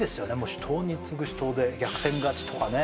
死闘に次ぐ死闘で逆転勝ちとかね